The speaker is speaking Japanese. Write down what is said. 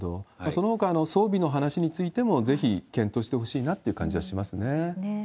そのほか、装備の話についても、ぜひ検討してほしいなっていう感じはしますね。